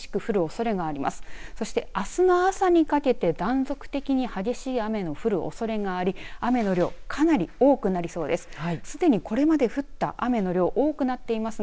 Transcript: そして、あすの朝にかけて断続的に激しい雨の降るおそれがあり雨の量かなり多くなりそうです。